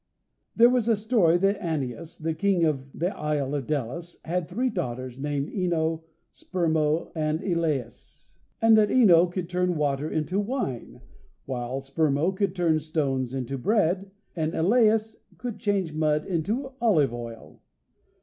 There was a story that Anius, the King of the Isle of Delos, had three daughters, named OEno, Spermo, and Elais, and that OEno could turn water into wine, while Spermo could turn stones into bread, and Elais could change mud into olive oil.